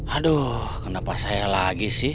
aduh kenapa saya lagi sih